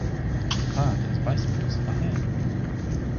The park has bicycles for hire.